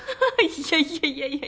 いやいやいやいや。